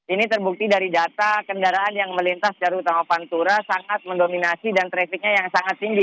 ini terbukti dari data kendaraan yang melintas dari utama pantura sangat mendominasi dan trafficnya yang sangat tinggi